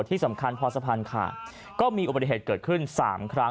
ที่สำคัญพอสะพานขาดก็มีอุบัติเหตุเกิดขึ้น๓ครั้ง